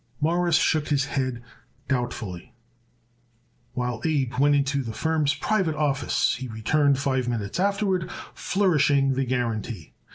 Morris shook his head doubtfully, while Abe went into the firm's private office. He returned five minutes afterward flourishing the guarantee.